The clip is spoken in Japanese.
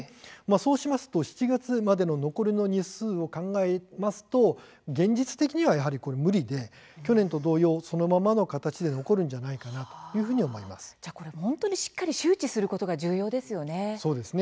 そうしますと７月までの残りの日数を考えますと現実的にはやはり無理で去年と同様、そのままの形で本当にしっかり周知することが重要ですね。